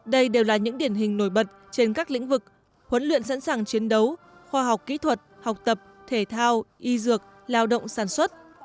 đây đều là những điển hình nổi bật trên các lĩnh vực huấn luyện sẵn sàng chiến đấu khoa học kỹ thuật học tập thể thao y dược lao động sản xuất